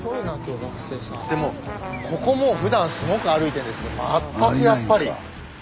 スタジオでもここもふだんすごく歩いてるんですけど全くやっぱり。